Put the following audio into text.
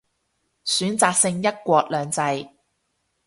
選擇性一國兩制